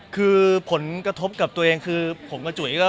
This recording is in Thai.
คือผลกระทบกับตัวเอง